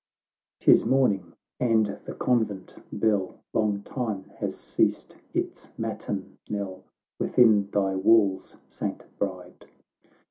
T XXI 'Tis morning, and the Convent bell Long time had ceased its matin knell, Within thy walls, Saint Bride